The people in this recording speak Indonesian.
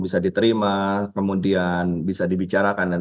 ya bisa diterima kemudian bisa dibicarakan dan